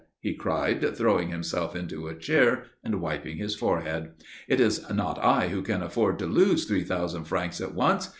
_" he cried, throwing himself into a chair, and wiping his forehead. "It is not I who can afford to lose three thousand francs at once.